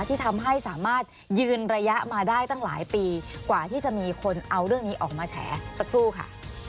ที่ทำให้สามารถยืนระยะมาได้ตั้งหลายปีกว่าที่จะมีคนเอาเรื่องนี้ออกมาแฉสักครู่ค่ะ